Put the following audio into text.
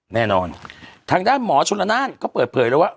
แน่นอนทางด้านหมอชนละนานก็เปิดเผยแล้วว่า